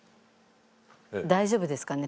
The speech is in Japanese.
大丈夫ですかね？